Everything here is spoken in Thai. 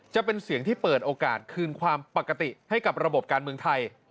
จะเป็นเสียงที่เปิดโอกาสคืนความปกติให้กับระบบการเมืองไทย